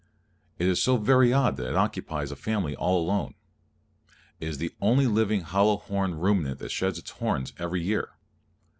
It is so very odd that it occupies a Family all alone. It is the only living hollow horned ruminant that sheds its horns, every year.